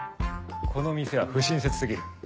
この店は不親切過ぎる。